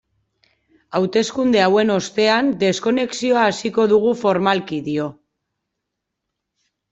Hauteskunde hauen ostean deskonexioa hasiko dugu formalki, dio.